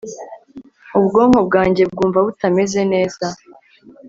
ubwonko bwanjye bwumva butameze neza